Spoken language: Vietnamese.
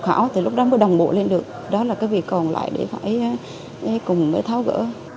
đó là cái việc còn lại để phải cùng tháo gỡ